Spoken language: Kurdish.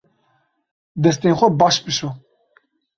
Destên xwe baş bişo.